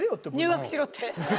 入学しろって？